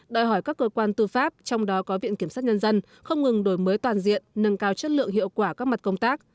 đòi hỏi các cơ quan tư pháp trong đó có viện kiểm sát nhân dân không ngừng đổi mới toàn diện nâng cao chất lượng hiệu quả các mặt công tác